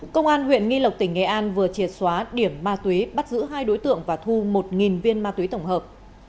công an huyện nghi lộc tỉnh nghệ an vừa triệt xóa điểm ma túy bắt giữ hai đối tượng và thu một viên ma túy tổng hợp